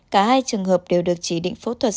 cả hai trường hợp đều được chỉ định phẫu thuật